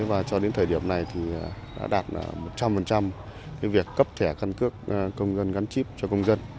và cho đến thời điểm này thì đã đạt một trăm linh việc cấp thẻ căn cước công dân gắn chip cho công dân